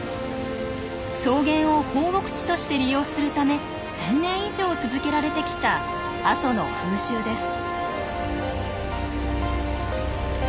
草原を放牧地として利用するため１，０００年以上続けられてきた阿蘇の風習です。